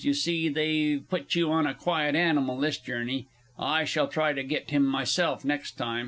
You see, they've put you on a quiet animal this journey. I shall try to get him myself next time.